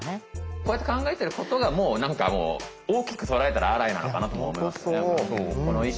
こうやって考えてることがもう何かもう大きく捉えたらアライなのかなとも思いますね。